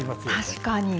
確かに。